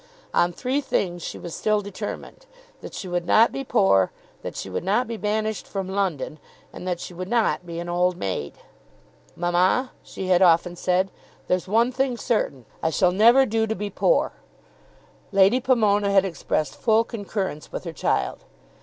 On three things she was still determined, that she would not be poor, that she would not be banished from London, and that she would not be an old maid. "Mamma," she had often said, "there's one thing certain. I shall never do to be poor." Lady Pomona had expressed full concurrence with her child.